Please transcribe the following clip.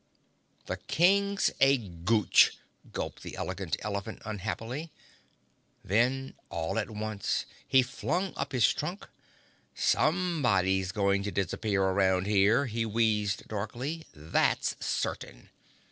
"The King's a Gooch!" gulped the Elegant Elephant unhappily. Then, all at once he flung up his trunk. "Somebody's going to disappear around here," he wheezed darkly, "that's certain!"